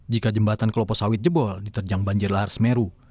jika jembatan kelopo sawit jebol diterjang banjir lahar semeru